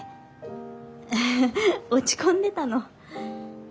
落ち込んでたの。